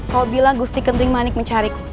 kau bilang gusti kendring manik mencari